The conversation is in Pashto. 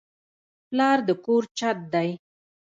پلار د کور چت دی